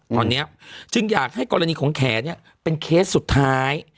ตอนนี้จึงอยากให้กรณีของแขนเป็นเคสสุดท้าย